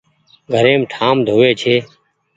گهريم ٺآم ڌووي ڇي ۔